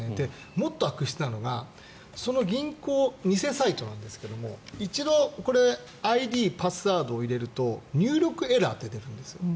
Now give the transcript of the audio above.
もっと悪質なのがその銀行偽サイトなんですけど一度、ＩＤパスワードを入れると入力エラーって出るんです。